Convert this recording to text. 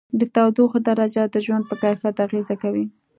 د تودوخې درجه د ژوند په کیفیت اغېزه کوي.